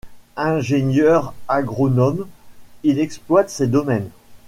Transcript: Ingénieur agronome, il exploite ses domaines.